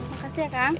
iya makasih ya kang